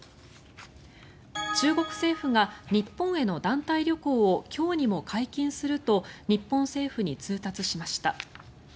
中国政府が日本への団体旅行を今日にも解禁すると日本政府に通達しました。